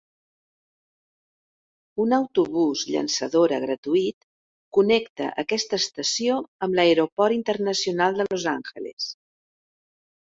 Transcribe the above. Un autobús llançadora gratuït connecta aquesta estació amb l'aeroport internacional de Los Angeles.